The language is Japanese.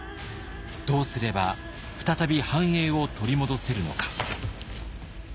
どうすれば再び繁栄を取り戻せるのか。